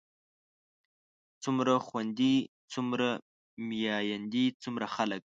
څومره خويندے څومره ميايندے څومره خلک